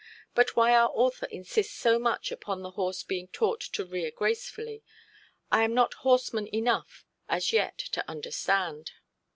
But why our author insists so much upon the horse being taught to 'rear gracefully', I am not horseman enough as yet to understand.